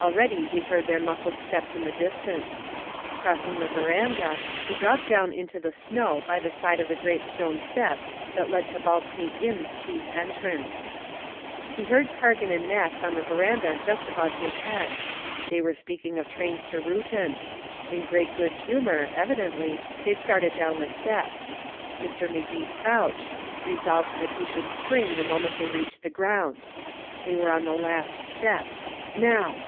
Already he heard their muffled steps in the distance. Crossing the veranda, he dropped down into the snow by the side of the great stone steps that led to Baldpate Inn's chief entrance. He heard Cargan and Max on the veranda just above his head. They were speaking of trains to Reuton. In great good humor, evidently, they started down the steps. Mr. Magee crouched, resolved that he would spring the moment they reached the ground. They were on the last step now!